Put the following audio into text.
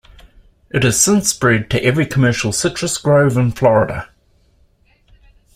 It has since spread to every commercial citrus grove in Florida.